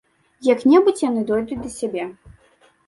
Як-небудзь яны дойдуць да цябе.